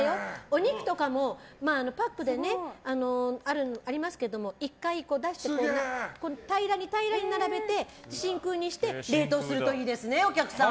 お肉とかもパックでありますけども１回出して、平らに並べて真空にして冷凍するといいですねお客さん！